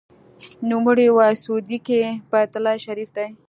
نوموړي وویل: سعودي کې بیت الله شریف دی.